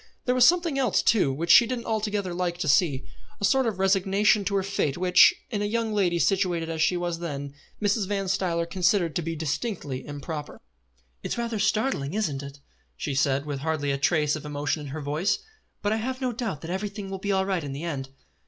There was a something else too, which she didn't altogether like to see, a sort of resignation to her fate which, in a young lady situated as she was then, Mrs. Van Stuyler considered to be distinctly improper. "It is rather startling, isn't it?" she said, with hardly a trace of emotion in her voice; "but I have no doubt that everything will be all right in the end."